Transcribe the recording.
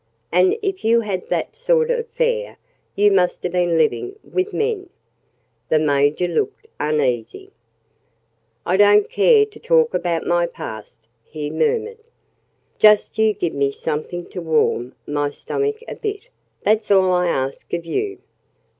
"And if you had that sort of fare, you must have been living with men." The Major looked uneasy. "I don't care to talk about my past," he murmured. "Just you give me something to warm my stomach a bit. That's all I ask of you."